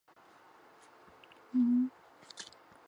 陪审团随即进入审议阶段。